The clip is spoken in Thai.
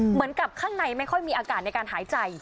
เหมือนกับข้างในไม่ค่อยมีอากาศในการหายใจ